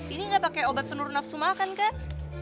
ini gak pakai obat penurun nafsu makan kan